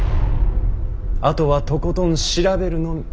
あとはとことん調べるのみ。